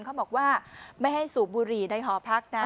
เขาบอกว่าไม่ให้สูบบุหรี่ในหอพักนะ